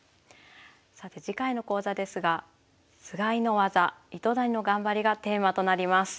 さて次回の講座ですが「菅井の技糸谷の頑張り」がテーマとなります。